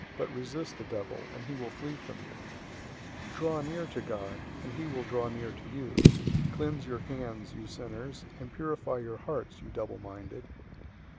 But resist the devil, and he will flee from you. 004:008 Draw near to God, and he will draw near to you. Cleanse your hands, you sinners; and purify your hearts, you double minded.